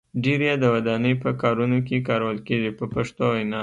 ډیری یې د ودانۍ په کارونو کې کارول کېږي په پښتو وینا.